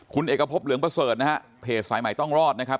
คุณเอกพบเหลืองประเสริฐนะฮะเพจสายใหม่ต้องรอดนะครับ